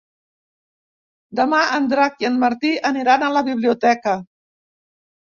Demà en Drac i en Martí aniran a la biblioteca.